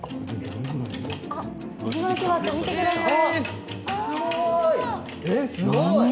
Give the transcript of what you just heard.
じわじわと、見てください。